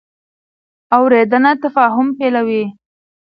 اورېدنه تفاهم پیلوي.